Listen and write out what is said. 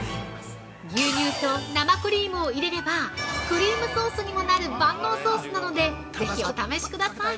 牛乳と生クリームを入れれば、クリームソースにもなる万能ソースなので、ぜひお試しください！